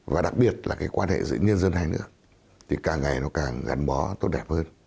và đặc biệt là cái quan hệ giữa nhân dân hai nước thì càng ngày nó càng gắn bó tốt đẹp hơn